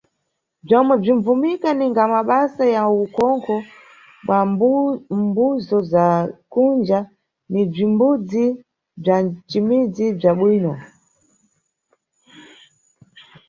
Bzomwe bzimʼbvumika ninga mabasa ya ukhonkho mʼmbuzo za kunja ni bzimbudzi bza nʼcimidzi bza bwino.